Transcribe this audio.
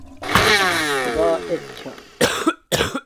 خُدا اݵک چھݳ.